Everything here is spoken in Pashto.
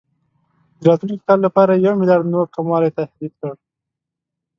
د راتلونکي کال لپاره یې یو میلیارډ نور کموالي تهدید کړ.